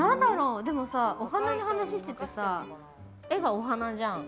でも、お花の話しててさ絵がお花じゃん。